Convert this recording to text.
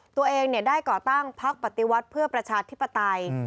ตัวเองได้ก่อตั้งพักปฏิวัติเพื่อประชาธิปไตย